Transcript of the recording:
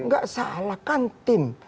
gak salah kan tim